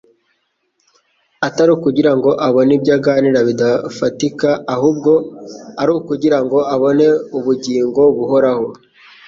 atari ukugira ngo abone ibyo aganira bidafatika, ahubwo ari ukugira ngo abone ubugingo buhoraho.